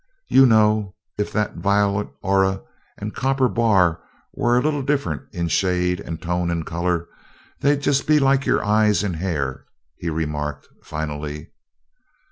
"You know, if that violet aura and copper bar were a little different in shade and tone of color, they'd be just like your eyes and hair," he remarked finally.